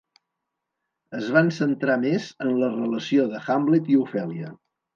Es van centrar més en la relació de Hamlet i Ofèlia.